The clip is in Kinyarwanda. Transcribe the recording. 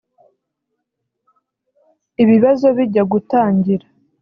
Ibibazo bijya gutangira